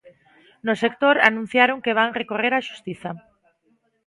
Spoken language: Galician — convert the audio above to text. No sector anunciaron que van recorrer á xustiza.